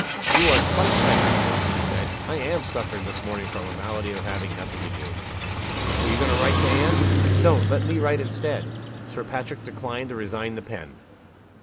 "You are quite right, uncle," she said. "I am suffering this morning from the malady of having nothing to do. Are you going to write to Anne? Don't. Let me write instead." Sir Patrick declined to resign the pen.